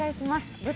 舞台